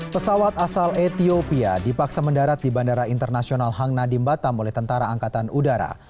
pesawat asal ethiopia dipaksa mendarat di bandara internasional hang nadim batam oleh tentara angkatan udara